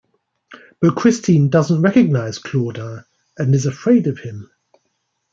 But Christine doesn't recognize Claudin and is afraid of him.